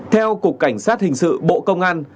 theo cục cảnh sát hình sự bộ công an